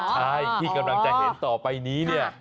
ใช่ที่กำลังจะเห็นต่อไปนี้เนี่ย